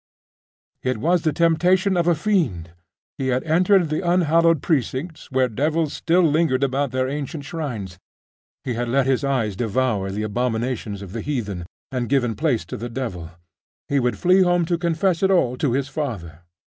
It was the temptation of a fiend! He had entered the unhallowed precincts, where devils still lingered about their ancient shrines; he had let his eyes devour the abominations of the heathen, and given place to the devil. He would flee home to confess it all to his father.